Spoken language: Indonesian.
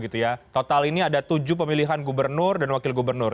total ini ada tujuh pemilihan gubernur dan wakil gubernur